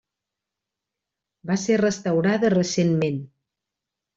Va ser restaurada recentment.